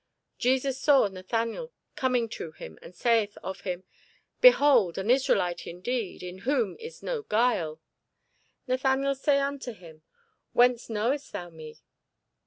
Jesus saw Nathanael coming to him, and saith of him, Behold an Israelite indeed, in whom is no guile! Nathanael saith unto him, Whence knowest thou me?